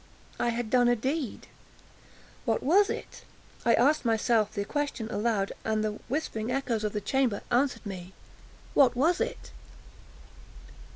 I had done a deed—what was it? I asked myself the question aloud, and the whispering echoes of the chamber answered me,—"_What was it?